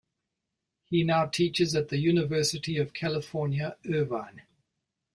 He now teaches at the University of California, Irvine.